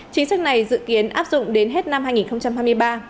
chính sách này dự kiến áp dụng đến hết năm hai nghìn hai mươi ba